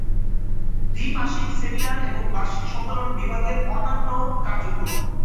দ্বি-মাসিক seminar এবং বার্ষিক সম্মেলন বিভাগের অন্যান্য কার্যক্রম।